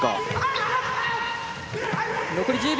残り１０秒。